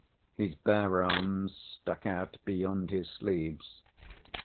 His bare arms stuck out beyond his sleeves.